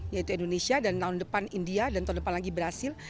yaitu indonesia dan tahun depan india dan tahun depan lagi brazil